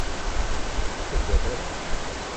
Ur k-tettagad ara.